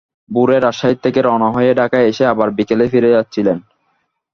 ভোরে রাজশাহী থেকে রওনা হয়ে ঢাকায় এসে আবার বিকেলেই ফিরে যাচ্ছিলেন।